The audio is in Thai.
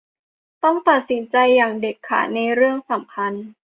ต้องตัดสินใจอย่างเด็ดขาดในเรื่องสำคัญ